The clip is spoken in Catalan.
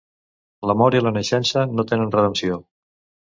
L'amor i la naixença no tenen redempció.